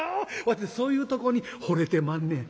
わてそういうとこにほれてまんねん」。